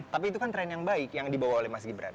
tapi itu kan tren yang baik yang dibawa oleh mas gibran